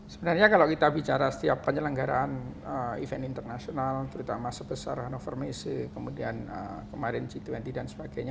sebenarnya kalau kita bicara setiap penyelenggaraan event internasional terutama sebesar hannover messe kemudian kemarin g dua puluh dan sebagainya